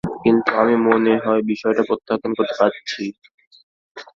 কিন্তু, আমি মনে হয় বিষয়টা প্রত্যাখ্যান করতে যাচ্ছি।